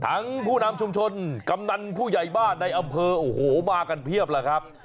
ผู้นำชุมชนกำนันผู้ใหญ่บ้านในอำเภอโอ้โหมากันเพียบแล้วครับ